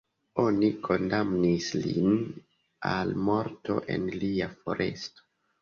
Oni kondamnis lin al morto en lia foresto.